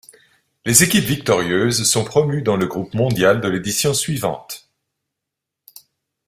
Les équipes victorieuses sont promues dans le groupe mondial I de l'édition suivante.